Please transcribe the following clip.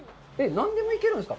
何でもいけるんですか？